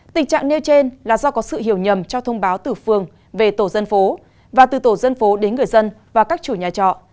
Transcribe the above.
tình trạng nêu trên là do có sự hiểu nhầm cho thông báo từ phường về tổ dân phố và từ tổ dân phố đến người dân và các chủ nhà trọ